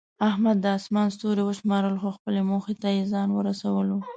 احمد د اسمان ستوري وشمارل، خو خپلې موخې ته یې ځان ورسولو.